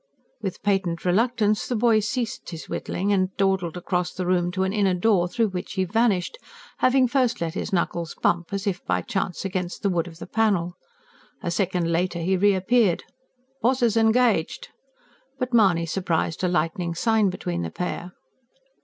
With patent reluctance the boy ceased his whittling, and dawdled across the room to an inner door through which he vanished, having first let his knuckles bump, as if by chance, against the wood of the panel. A second later he reappeared. "Boss's engaged." But Mahony surprised a lightning sign between the pair.